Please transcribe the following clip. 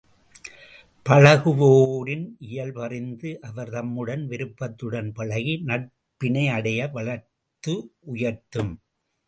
பழகுவோரின் இயல்பறிந்து அவர் தம்முடன் விருப்பத்துடன் பழகி நட்பினை அடைய வளர்த்து உயர்த்தும்.